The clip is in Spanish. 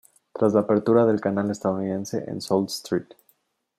Tras la apertura del canal estadounidense en Sault Ste.